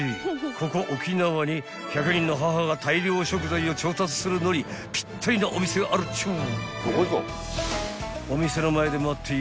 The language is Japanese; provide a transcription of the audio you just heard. ［ここ沖縄に１００人の母が大量食材を調達するのにぴったりなお店があるっちゅう］